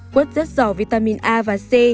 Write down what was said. quất rất sò vitamin a và c